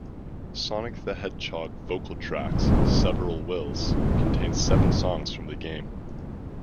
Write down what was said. "Sonic the Hedgehog Vocal Traxx: Several Wills" contains seven songs from the game.